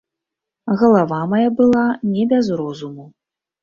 Галава мая была не без розуму.